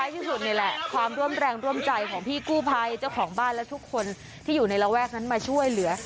ที่สุดนี่แหละความร่วมแรงร่วมใจของพี่กู้ภัยเจ้าของบ้านและทุกคนที่อยู่ในระแวกนั้นมาช่วยเหลือ